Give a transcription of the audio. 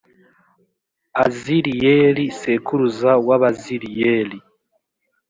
aziriyeli sekuruza w’abaziriyeli.